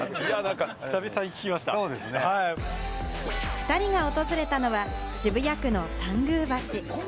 ２人が訪れたのは渋谷区の参宮橋。